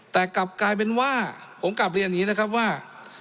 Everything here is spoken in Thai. แต่กลับกลายเป็นว่าผมกลับเรียนอย่างนี้นะครับว่า